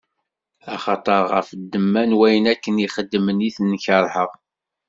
Axaṭer ɣef ddemma n wayen akken i xedmen i ten-keṛheɣ.